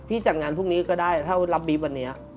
จัดงานพรุ่งนี้ก็ได้ถ้ารับบี๊บวันนี้